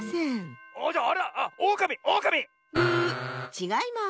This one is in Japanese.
ちがいます。